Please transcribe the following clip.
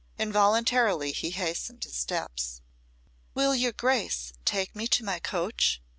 Involuntarily he hastened his steps. "Will your Grace take me to my coach?"